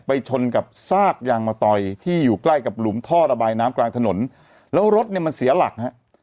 ชนกับซากยางมะตอยที่อยู่ใกล้กับหลุมท่อระบายน้ำกลางถนนแล้วรถเนี่ยมันเสียหลักฮะ